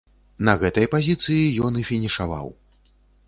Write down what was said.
На гэтай пазіцыі ён і фінішаваў.